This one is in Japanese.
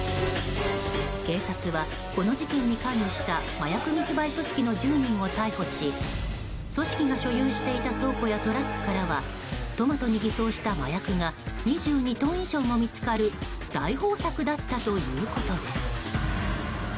警察は、この事件に関与した麻薬密売組織の１０人を逮捕し組織が所有していた倉庫やトラックからはトマトに偽装した麻薬が２２トン以上も見つかる大豊作だったということです。